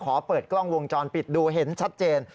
เปิดกล้องวงจรปิดดูเห็นชัดเจน